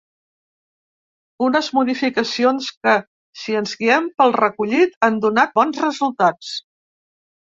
Unes modificacions que, si ens guiem pel recollit, han donat bons resultats.